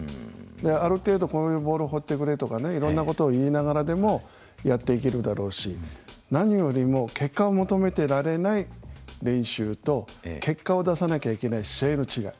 ある程度こういうボールを放ってくれとかねいろんなことを言いながらでもやっていけるだろうし何よりも結果を求めてられない練習と結果を出さなきゃいけない試合の違い。